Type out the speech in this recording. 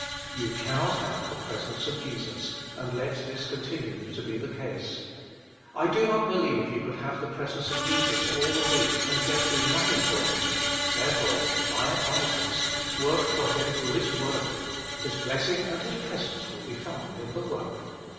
" You can not have the presence of Jesus, and let this continue to be the case. I do not believe you could have the presence of Jesus all the week and yet do nothing for Him ; therefore my advice is, work for Him who is worthy, His blessing and His presence will be found in the work.